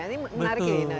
ini menarik ya dina